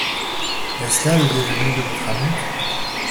Est-ce là le déjeuner de votre amante?